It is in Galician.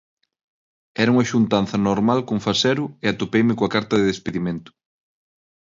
Era unha xuntanza normal con Fasero e atopeime coa carta de despedimento.